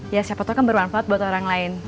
ya siapa tau kan bermanfaat buat orang lain